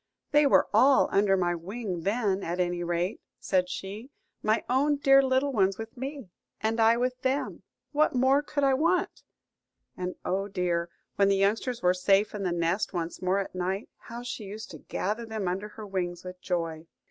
"They were all under my wing then, at any rate," said she; "my own dear little ones with me, and I with them: what more could I want?" And, oh dear, when the youngsters were safe in the nest once more at night, how she used to gather them under her wings with joy!